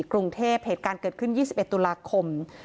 กรุงเทพเหตุการณ์เกิดขึ้นยี่สิบเอ็ดตุลาคม